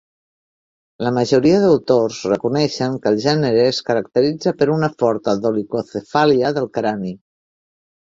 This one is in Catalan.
La majoria d'autors reconeixen que el gènere es caracteritza per una forta dolicocefàlia del crani.